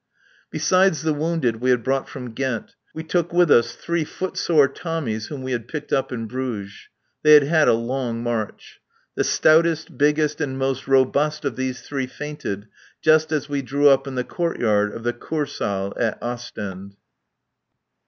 Besides the wounded we had brought from Ghent, we took with us three footsore Tommies whom we had picked up in Bruges. They had had a long march. The stoutest, biggest and most robust of these three fainted just as we drew up in the courtyard of the Kursaal at Ostend.